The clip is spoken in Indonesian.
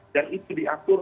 dan itu diatur